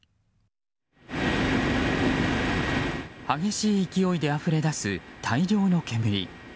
激しい勢いであふれ出す大量の煙。